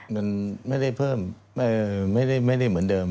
มันไม่ได้เพิ่มไม่ได้เหมือนเดิม